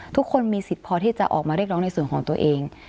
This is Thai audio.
ทุกคนมีสิทธิ์พอที่จะออกมาเรียกร้องในส่วนของตัวเอง